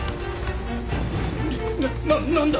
なななんだ？